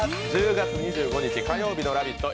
１０月２５日、火曜日の「ラヴィット！」